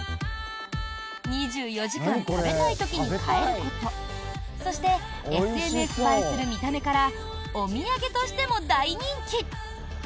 ２４時間食べたい時に買えることそしてＳＮＳ映えする見た目からお土産としても大人気！